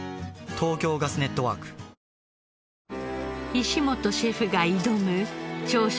石本シェフが挑む長州